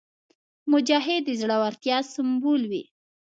مجاهد د زړورتیا سمبول وي.